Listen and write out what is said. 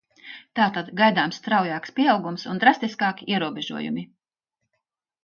Tātad, gaidāms straujāks pieaugums un drastiskāki ierobežojumi.